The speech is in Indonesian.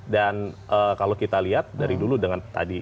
dan kalau kita lihat dari dulu dengan tadi